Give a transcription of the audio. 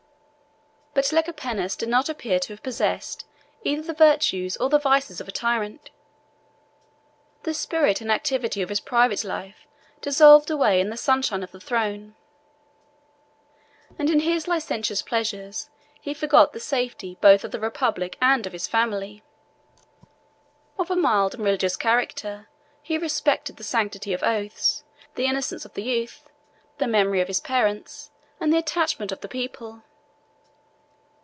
But Lecapenus does not appear to have possessed either the virtues or the vices of a tyrant. The spirit and activity of his private life dissolved away in the sunshine of the throne; and in his licentious pleasures, he forgot the safety both of the republic and of his family. Of a mild and religious character, he respected the sanctity of oaths, the innocence of the youth, the memory of his parents, and the attachment of the people.